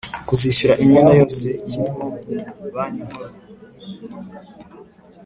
kizishyura imyenda yose kirimo Banki Nkuru